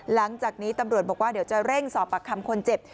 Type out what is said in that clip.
หลังจากนี้ตำรวจบอกว่าเดี๋ยวจะเร่งสอบปากคำคนเจ็บ